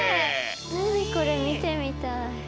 何これ見てみたい。